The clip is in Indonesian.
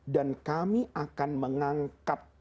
dan kami akan mengangkat